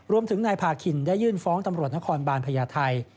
รวมถึงนายพาคินได้ยื่นฟ้องตำรวจนครบาลพญาไทย